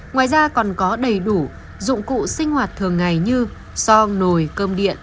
ngoài ra còn có đầy đủ dụng cụ sinh hoạt thường ngày như so nồi cơm điện